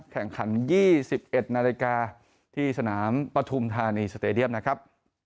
แข่งขัน๒๑นาฬิกาที่สนามปฐุมธานีสเตดียมนะครับ